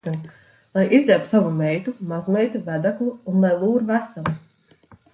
Lai izģērbj savu meitu, mazmeitu, vedeklu un lai lūr vesela.